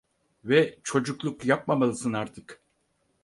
Ve çocukluk yapmamalısın artık…